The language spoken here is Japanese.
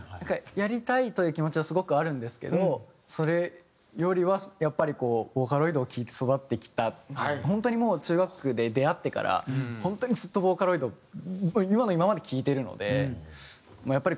やりたいという気持ちはすごくあるんですけどそれよりはやっぱりこうボーカロイドを聴いて育ってきた本当にもう中学で出会ってから本当にずっとボーカロイドを今の今まで聴いているのでまあやっぱり。